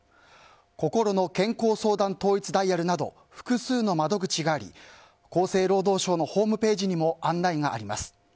こころの健康相談統一ダイヤルなど複数の窓口があり厚生労働省のホームページにも案内があります。